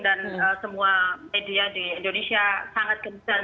dan semua media di indonesia sangat kesan